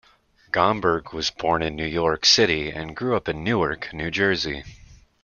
Gomberg was born in New York City, and grew up in Newark, New Jersey.